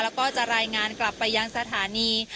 แล้วก็จะรายงานกลับไปยังสถานี